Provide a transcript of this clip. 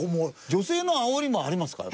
女性の煽りもありますか？